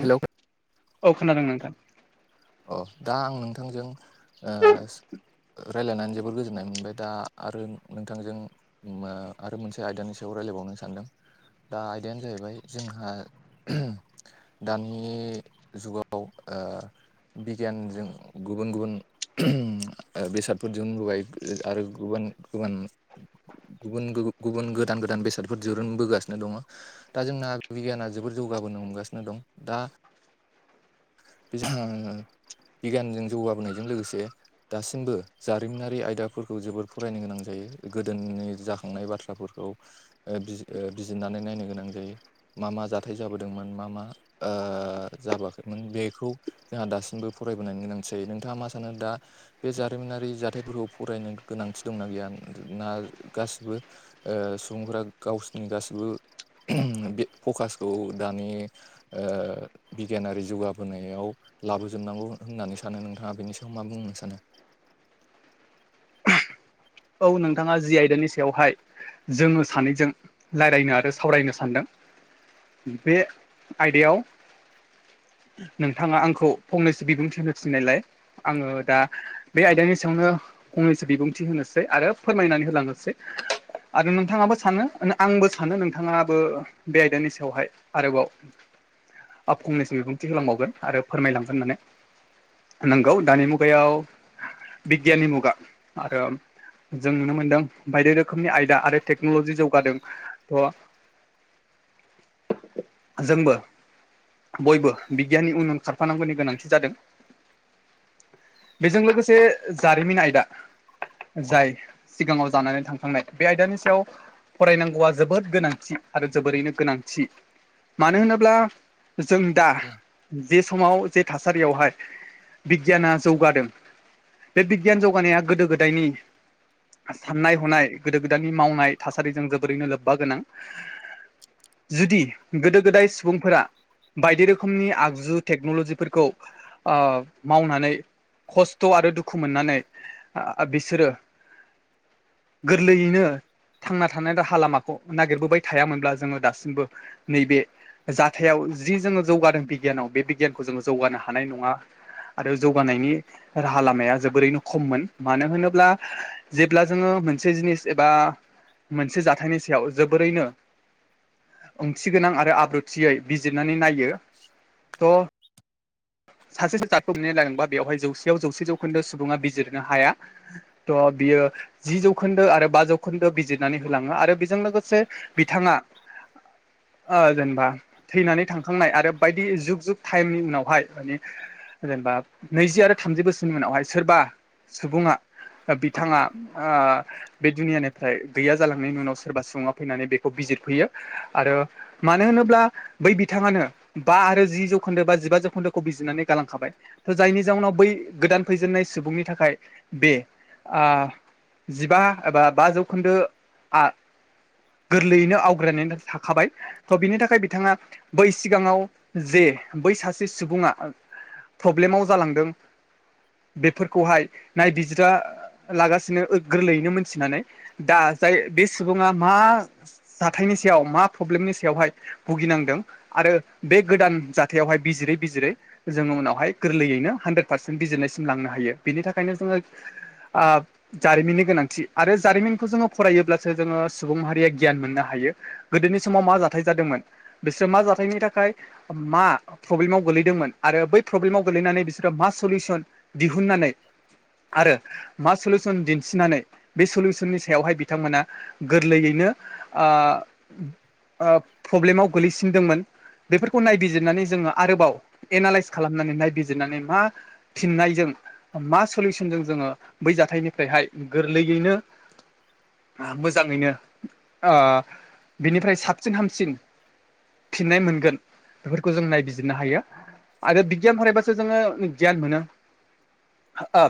Hello औ खोनादों नोंथां अ दा आं नोंथांजों रायलायनानै जोबोर गोजोननाय मोनबाय दा आरो नोंथांजों आरो मोनसे आयदानि सायाव रायलायबावनो सानदों दा आयदायानो जाहैबाय जोंहा दानि जुगाव बिगियानजों गुबुन गुबुन बेसादफोर दिहुनबोबाय आरो गुबुन गुबुन गुबुन गुबुन गोदान गोदान बेसादफोर दिरुनबोगासिनो दङ दा जोंना बिगियाना जोबोर जौगाबोनो हमगासिनो दं दा बे जोंहा बिगियानजों जौगाबोनायजों लोगोसे दासिमबो जारिमिनारि आयदाफोरखौ जोबोर फरायनो गोनां जायो गोदोनि जाखांनाय बाथ्राफोरखौ बिज बिजिरनानै नायनो गोनां जायो मा मा जाथाय जाबोदोंमोन मा मा जाबोआखैमोन बेखौ जोंहा दासिम बो फरायबोनाय गोनांथि जायो नोंथाङा मा सानो दा बे जारिमिनारि जाथायफोरखौ फरायनो गोनांथि दंना गैया ना गासिबो सुबुंफोरा गावसिनि गासिबो बे फकासखौ दानि बिगियानारि जौगाबोनायाव लाबो जोबनांगौ होननानै सानो नोंथाङा बेनि सायाव मा बुंनो सानो औ नोंथाङा जि आयदानि सायावहाय जोङो सानैजों रायलायनो आरो सावरायनो सानदों बे आयदायाव नोंथाङा आंखौ फंनैसो बिबुंथि होनो थिननायलाय आङो दा बे आयदानि सायावनो फंनैसो बिबुंथि होनो आरो फोरमायनानै होलांनोसै आरो नोंथाङाबो सानो आंबो सानो नोंथाङाबो बे आयदानि सायावहाय आरोबाव आं फंनैसो बिबुंथि होलांबावगोन आरो फोरमायलांगोन होननानै नंगौ दानि मुगायाव बिगियाननि मुगा आरो जों नुनो मोनदों बायदि रोखोमनि आयदा आरो टेक्न'लजि जौगादों तह [unintelligible] जोंबो बयबो बिगियाननि उन उन खारफानांगौनि गोनांथि जादों बेजों लोगोसे जारिमिन आयदा जाय सिगाङाव जानानै थांखांनाय बे आयदानि सायाव फरायनांगौया जोबोद गोनांथि आरो जोबोरैनो गोनांथि मानो होनोब्ला जों दा अ जे समाव जे थासारियावहाय बिगियाना जौगादों बे बिगियान जौगानाया गोदो गोदायनि साननाय हनाय गोदो गोदायनि मावनाय थासारिजों जोबोरैनो लोब्बा गोनां जुदि गोदो गोदाय सुबुंफोरा बायदि रोखोमनि आगजु टेक्न'ल'जिफोरखौ ओ मावनानै खस्थ' आरो दुखु मोननानै बिसोरो गोरलैयैनो थांना थानाय राहा लामाखौ नागिरबोबाय थायामोनब्ला जोङो दासिमबो नैबे जाथायाव जि जोङो जौगादों बिगियानाव बे बिगियानखौ जोङो जौगानो हानाय नङा आरो जौगानायनि राहा लामाया जोबोरैनो खममोन मानो होनोब्ला जेब्ला जोङो मोनसे जिनिस एबा मोनसे जाथायनि सायाव जोबोरैनो ओंथि गोनां आरो आब्रुथियै बिजिरनानै नायो थह सासेसो जादखौ मोननाय लादोंबा बेवहाय जौसेयाव जौसे जौखोन्दो सुबुङा बिजिरनो हाया थ बियो जि जौखोनदो आरो बा जौखोनदो बिजिरनानै होलाङो आरो बेजों लोगोसे बिथाङा ओ जेनबा थैनानै थांखांनाय आरो बायदि जुग जुग टाइमनि उनावहाय माने जेनेबा नैजि आरो थामजि बोसोरनि उनावहाय सोरबा सुबुङा बिथाङा आ बे दुनियानिफ्राय गैया जालांनायनि उनाव सोरबा सुबुङा फैनानै बेखौ बिजिरफैयो आरो मानो होनोब्ला बै बिथाङानो बा आरो जि जौखोनदो बा जिबा जौखोनदोखौ बिजिरनानै गालांखाबाय थ' जायनि जाउनाव बै गोदान फैजेननाय सुबुंनि थाखाय बे ओ जिबा एबा बा जौखोनदो आ गोरलैयैनो आवग्रिायनानै थाखाबाय थ' बिनि थाखाय बिथाङा बै सिगाङाव जे बै सासे सुबुङा प्रब्लेमाव जालांदों बेफोरखौहाय नायबिजिरा लागासिनो गोरलैयैनो मोनथिनानै दा जाय बे सुबुङा मा जाथायनि सायाव मा प्रब्लेमनि सायावहाय भुगिनांदों आरो बे गोदान जाथायावहाय बिजिरै बिजिरै जोङो उनावहाय गोरलैयैनो हानद्रेद पारसेन्ट बिजिरनायसिम लांनो हायो बिनि थाखायनो जोङो आ जारिमिननि गोनांथि आरो जारिमिनखौ जोङो फरायोब्लासो जोङो सुबुं मारिया गियान मोननो हायो गोदोनि समाव मा जाथाय जादोंमोन बिसोरो मा जाथायनि थाखाय मा प्रब्लेमाव गोलैदोंमोन आरो बै प्रब्लेमाव गोलैनानै बिसोरो मा सलिउसन दिहुननानै आरो मा सलसन दिनथिनानै बे सलिउसननि सायावहाय बिथांमोना गोरलैयैनो आ प्रब्लेमाव गोग्लैसिनदोंमोन बेफोरखौ नायबिजिरनानै जोङो आरोबाव एनालइस खालामनानै नायबिजिरनानै मा फिननायजों मा सलिउसनजों जोङो बै जाथायनिफ्रायहाय गोरलैयैनो मोजाङैनो बिनिफ्राय साबसिन हामसिन फिननाय मोनगोन बेफोरखौ जों नायबिजिरनो हायो आरो बिगियान फरायबासो जोङो गियान मोनो ओ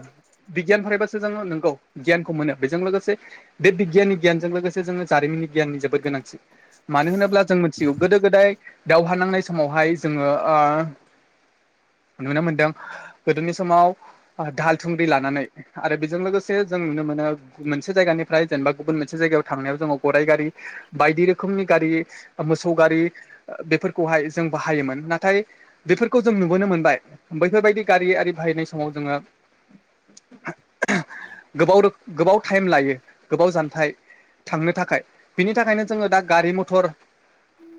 बिगियान फरायबासो जोङो नोंगौ गियानखौ मोनो बेजों लोगोसे बे बिगियाननि गियानजों लोगोसे जोङो जारिमिन गियाननि जोबोद गोनांथि मानो होनोब्ला जों मिथिगौ गोदो गोदाय दावहा नांनाय समावहाय जोङो ओ नुनो मोनदों गोदोनि समाव ओ दाहाल थुंग्रि लानानै आरो बेजों लोगोसे जों नुनो मोनो मोनसे जायगानिफ्राय जेनोबा गुबुन मोनसे जायगायाव थांनायाव जोङो गराइ गारि बायदि रोखोमनि गारि मोसौ गारि ओ बेफोरखौहाय जों बाहायोमोन नाथाय बेफोरखौ जों नुबोनो मोनबाय बैफोरबादि गारि आरि बाहायनाय समाव जोङो ओह गोबाव रोखोम गोबाव टाइम लायो गोबाव जानथाय थांनो थाखाय बिनि थाखायनो जोङो दा गारि मथर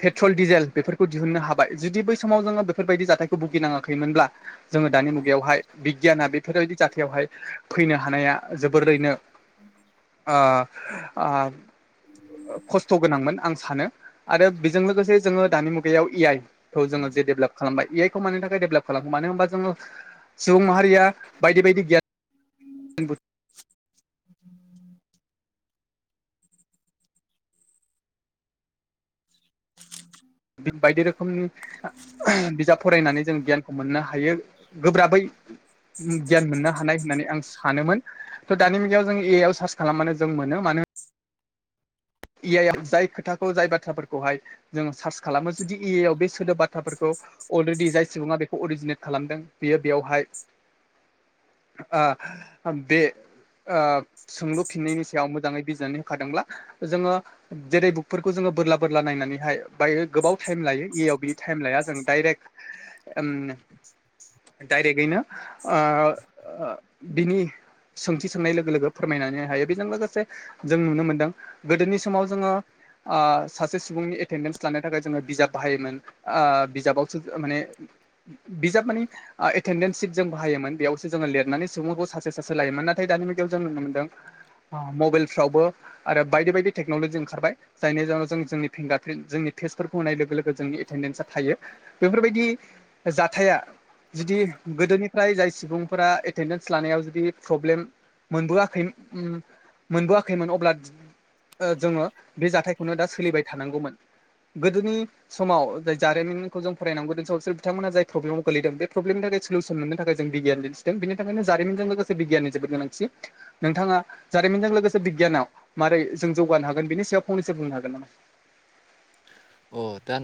पेट्रल डिजेल बेफोरखौ दिहुननो हाबाय जुदि बै बे समाव जोङो बेफोरबादि जाथायखौ भुगिनांआखैमोनब्ला जोङो दानि मुगायावहाय बिगियाना बेफोरबादि जाथायावहाय फैनो हानाया जोबोरैनो ओ ओ ओ खस्थ' गोनांमोन आं सानो आरो बेजों लोगोसे जोङो दानि मुगायाव ए आइ खौ जोङो जे देब्लाब खालामबाय ए आइ खौ मानो थाखाय डेभेलप खालामो मानो होनबा जोङो सुबुं माहारिआ बायदि बायदि गियान [inaudible] बि बायदि रोखोमनि ओह बिजाब फरायनानै जों गियानखौ मोननो हायो गोब्राबै गियान उम मोननो हानाय होननानै आं सानोमोन थ' दानि मुगायाव जों ए आव सार्च खालामबानो जों मोनो मानो होन ए आइ आव जाय खोथाखौ जाय बाथ्राफोरखौहाय जोङो सार्च खालामो जुदि ए आइ आव बे सोदोब बाथ्राफोरखौ अलरेडि जाय सुबुंआ बेखौ अरिजिनेट खालामदों बियो बेयावहाय आह बेह ओ सोंलुफिननायनि सायाव मोजाङै बिजिरनानै होखादोंब्ला जोङो जेरै बुकफोरखौ जोङो बोरला बोरला नायनानैहाय बायो गोबाव टाइम लायो ए आइ आव बिदि टाइम लाया जों डाइरेक्ट ओम डायरेक्टयैनो ओह बिनि सोंथि सोंनाय लोगो लोगो फोरमायनानै होनो हायो बेजों लोगोसे जों नुनो मोन्दों गोदोनि समाव जोङो ओ सासे सुबुंनि एटेनडेन्स लानो थाखाय जोङो बिजाब बाहायोमोन ओ बिजाबावसो माने बिजाब माने ओ एटेन्डेन्स सिट जों बाहायोमोन बेआवसो जोङो लिरनानै सुबुंफोरखौ सासे सासे लायोमोन नाथाय दानि मुगायाव जों नुनो मोनदों ओ मबाइलफ्रावबो आरो बायदि बायदि टेक्न'लजि ओंखारबाय जायनि जाउनाव जोंनि फिंगारप्रिन्ट जोंनि फेसफोरखौ होनाय लोगो लोगो गो जोंनि एटेनडेन्सा थायो बेफोरबायदि जाथाया जुदि गोदोनि जाय जाय सुबुंफोरा एटेडेन्स लानायाव जुदि प्रब्लेम मोनबोआखैमोन उम मोनबोआखैमोन अब्ला ओ जोङो बे जाथायखौनो दा सोलिबाय थानांगौमोन गोदोनि समाव जाय जारिमिनखौ जों फरायनांगौ जों सामाव बिसोर बिथांमोना जाय प्रब्लेमाव गोलैदों बे प्रब्लेमनि थाखाय स'लुस'न मोननो थाखाय जों बिगियान दिन्थिदों बेनि थाखायनो जारिमनजों लोगोसे बिगियनि जोबोद गोनांथि नोंथांआ जारिमिनजों लोगोसे बिगियानाव माबोरै जों जौगानो हागोन बिनि सायाव फंनैसो बुंनो हागोन नामा अ दा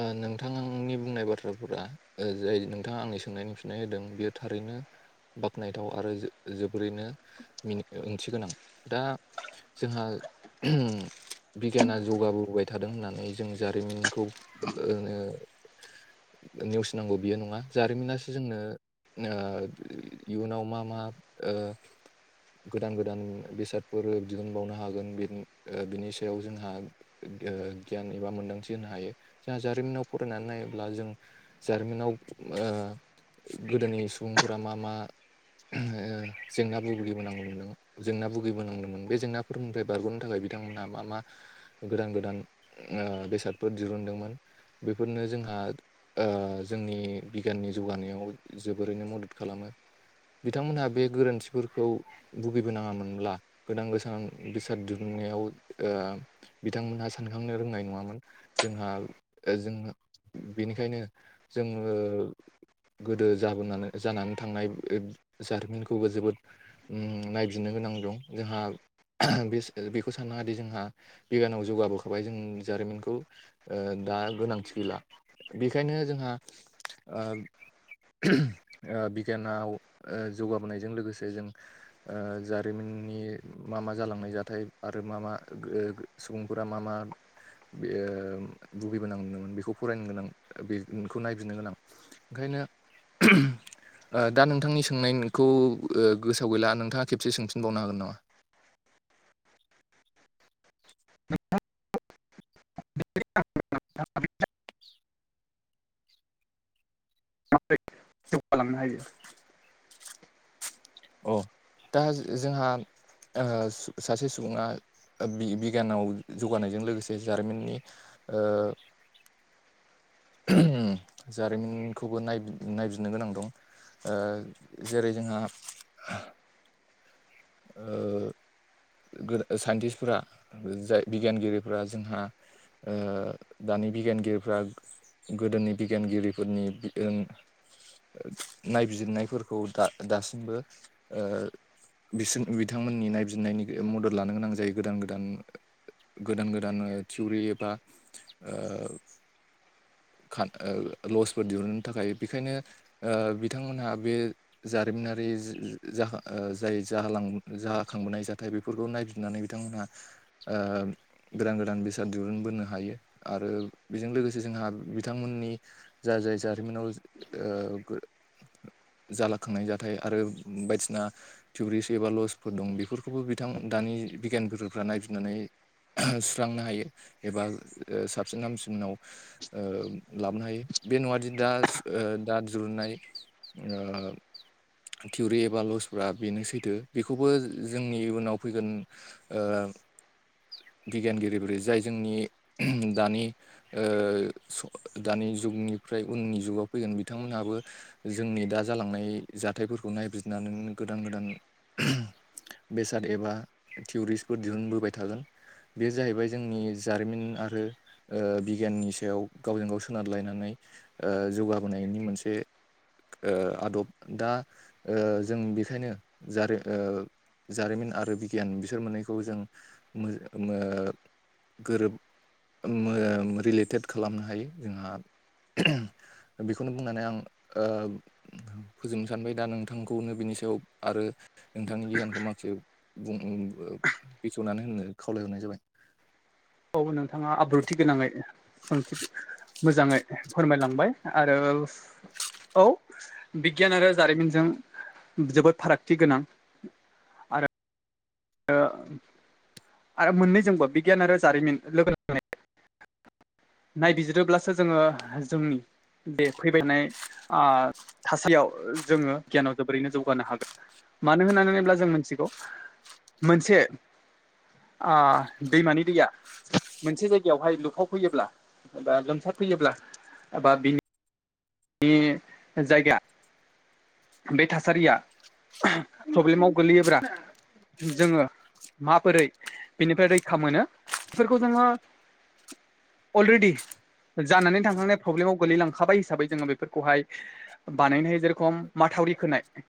ओ नोंथांनि बुंनाय बाथ्राफोरा जाय नोंथांआ आंनि सोंनायनि फिननाय होदों बियो थारैनो बाख्नायथाव आरो जोबोरैनो मिनिं ओंथि गोनां दा जोंहा ओह‌ बिगियाना जौगाबोबाय थादों होननानै जों जारिमिनखौ ओ नेउसि नांगौ बियो नङा जारिमिनासो जोंनो ओ इउनाव मा मा ओ गोदान गोदान बेसादफोर दिहुनबावनो हागोन बिनि सायाव जोंहा गियान एबा मोन्दांथि होनो हायो जोंहा जारिमिनाव फरायनानै नायोब्ला जों जारिमिनाव गोदोनि सुबुंफोरा मा मा जेंना भुगिबोनांगौमोन जेंना भुगिबोनांदोंमोन बे जेंना फोरनिफ्राय बारग'नो थाखाय बिथांमोनहा मा मा गोदान गोदान बेसादफोर दिरुनदोंमोन बेफोरनो जोंहा जोंनि बिगियाननि जौगानायाव जोबोरैनो मदद खालामो बिथांमोनहा बे गोरोन्थिफोरखौ भुगिब नाङामोनब्ला गोदान गोथां बेसाद दिहुनायाव बिथांमोनहा सानखांनो रोंनाय नङामोन जोंहा जों बेनिखायनो जोङो गोदो जाबोनानै जानानै थांनाय जारिमिनखौबो जोबोद ओ नायबिनो गोनां दं जोंहा बे बेखौ साननाादि जोंहा बिगानाव जौगाबोखाबाय जों जारिमिनखौ ओ दा गोनांथि गैला बेखायनो जोंहा बिगियानाव जौगाबोनायजों लोगोसे जों जारिमिननि मा मा जालांनाय जाथाय आरो मा मा सुबुंफोरा मा मा बे भुगिबोनां नदोंमोन बेखौ फरायनो गोनां बेखौ नायबिनो गोनां। ओ ओंखायनो दा नोंथांनि सोंनायखौ गोसोआव गैला नोंथाङा खेबसे सोंफिनबावनो हागोन नामा? [unintelligible] [unintelligible] [unintelligible] खालामनो हायो अ दा जोंहा ओ सासे सुबुङा बि- बिगियानाव जौगानायजों लोगोसे जारिमिननि ओ जारिमिनखौबो नायबिजिरनो गोनां दं। ओ जेरै जोंहा ओ गो साइन्टिस्टफोरा जाय बिगियानगिरिफोरा जोंहा ओ दानि बिगियानगिरिफ्रा गोदोनि बिगियानगिरिफोरनि नायबिजिरनायफोरखौ दा दासिमबो बिसोर बिथांमोननि नायबििनायनि मदद लानो गोनां जायो गोदान गोदान। गोदान गोदान थिउरि एबा। लसफोर दिहुननो थाखाय बेखायनो ओ बिथांमोनहा बे जारिमिनारि ज जाय जां जाखांबोनाय जाथाय बेफोरखौ नायफिरनानै बिथांमोनहा ओ गोदान गोदान बेसाद दिहुनबोनो हायो आरो बेजों लोगोसे जोंहा बिथांमोननि। जाय जाय जारिमिनाव ओ जालाखांनाय जाथाय आरो बायदिसिना टुरिस्ट एबा लजफोर दं बेफोरखौबो बिथां दानि बिगियानफ्रा नायफिननानै सुस्रांनो हायो एबा साबसिन हामसिनाव ओ लाबोनो हायो बे नङादि ओ दा दा जुरुननाय थिउरि एबा लस बेनो सैथो बेखौबो जोंनि इयुनाव फैगोन ओ बिगियानगिरिफोर जाय जोंनि दानि ओ दानि जुगनिफ्राय उननि जुगाव फैगोन बिथांमोनहाबो जोंनि दा जालांनाय जाथायफोरखौ नायबिरजिरनानै गोदान गोदान बेसाद एबा थिउरिस्टफोर दिहुनबोबाय थागोन बे जाहैबाय जोंनि जारिमिन आरो बिगियाननि सायाव गावजों गाव सोनारलायनानै जौगाबोनायनि मोनसे आदब दा जों बेखायनो जारि जारिमिन आरो बिगियान बिसोर मोननैखौ जों गोरोब रिलेटेड खालामनो हायो जोंहा बेखौनो बुंनानै आं फोजोबनो सानबाय दा नोंथांखौनो बिनि सायाव आरो नोंथांनि गियानखौ माखासे बेखेवनानै होनो खावलायहरनाय जाबाय औ नोंथाङा आब्रुथि गोनाङै सोंथि मोजाङै फोरमायलांबाय आरो औ बिगियान आरो जारिमिनजों जोबोद फारागथि गोनां दा आरो मोननैजोंबो बिगियान आरो जारिमिन लोगोनांनानै नायबिजिरोब्लासो जोङो जोंनि बे फैबायनाय थासेयाव जोङो गियानाव जोबोरैनो जौगानो हागोन मानो होननानै होनोब्ला जों मिथिगौ मोनसे दैमानि दैया मोनसे जायगायावहाय लुफाव फैयोब्ला एबा लोमसार फैयोब्ला एबा बि बे जायगा बे थासारिया प्रब्लेमाव गोग्लैयोब्ला जोङो माबोरै बेनिफ्राय रैखा मोनो बेफोरखौ जोङो अलरेडि जानानै थांखांनाय प्रब्लेमाव गोलैलांखाबाय हिसाबै जोङो बेफोरखौहाय बानायनो हायो जेरेखम माथावरि खोनाय